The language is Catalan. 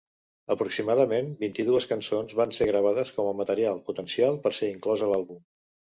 Aproximadament vint-i-dues cançons van ser gravades com a material potencial per ser inclòs a l’àlbum.